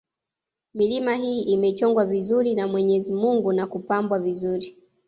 Milima hii imechongwa vizuri na mwenyezi Mungu na kupanbwa vizuri